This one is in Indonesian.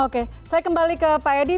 oke saya kembali ke pak edi